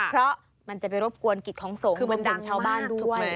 เพราะมันจะไปรบกวนกิจของสงฆ์รวมถึงชาวบ้านด้วย